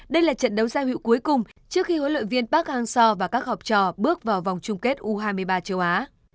đây là trận đấu giao hữu cuối cùng trước khi huấn luyện viên park hang seo và các học trò bước vào vòng chung kết u hai mươi ba châu á